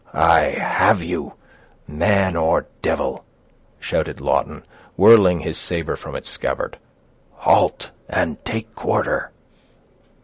"I have you, man or devil!" shouted Lawton, whirling his saber from its scabbard. "Halt, and take quarter!"